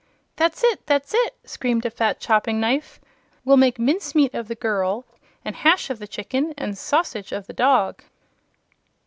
"That's it! that's it!" screamed a fat choppingknife. "We'll make mincemeat of the girl and hash of the chicken and sausage of the dog!"